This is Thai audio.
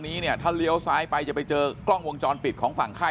นี้เนี่ยถ้าเลี้ยวซ้ายไปจะไปเจอกล้องวงจรปิดของฝั่งค่าย